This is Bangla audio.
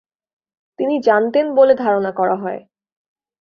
তিনি জানতেন বলে ধারণা করা হয়।